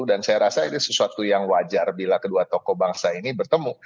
dan saya rasa ini sesuatu yang wajar bila kedua tokoh bangsa ini bertemu